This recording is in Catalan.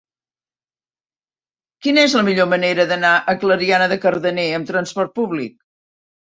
Quina és la millor manera d'anar a Clariana de Cardener amb trasport públic?